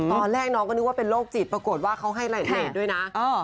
ตอนแรกน้องก็นึกว่าเป็นโรคจิตปรากฏว่าเขาให้รายละเอียดด้วยนะ